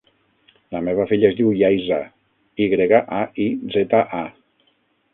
La meva filla es diu Yaiza: i grega, a, i, zeta, a.